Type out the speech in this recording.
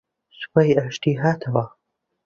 سوپای ئاشتی هاتەوە